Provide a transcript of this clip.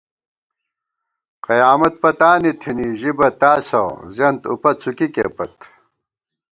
قیامت پَتانی تھنی، ژِبہ تاسہ زیَنت اُپہ څُکِکےپت